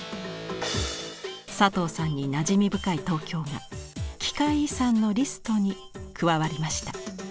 佐藤さんになじみ深い東京が「奇界遺産」のリストに加わりました。